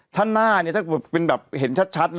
ถ้าหน้าเนี่ยถ้าเกิดเป็นแบบเห็นชัดนะ